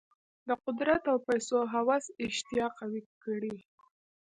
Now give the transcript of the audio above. د قدرت او پیسو هوس اشتها قوي کړې.